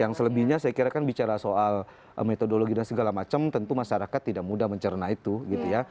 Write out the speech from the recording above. yang selebihnya saya kira kan bicara soal metodologi dan segala macam tentu masyarakat tidak mudah mencerna itu gitu ya